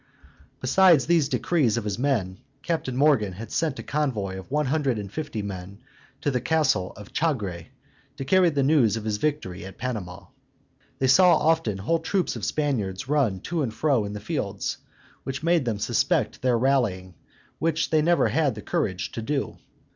Besides these decreases of his men, Captain Morgan had sent a convoy of one hundred and fifty men to the castle of Chagre, to carry the news of his victory at Panama. They saw often whole troops of Spaniards run to and fro in the fields, which made them suspect their rallying, which they never had the courage to do.